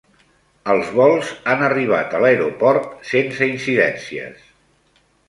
Els vols han arribat a l'aeroport sense incidències.